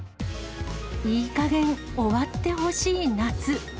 いいかげん、終わってほしい夏。